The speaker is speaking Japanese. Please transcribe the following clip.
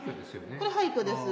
これ廃虚です。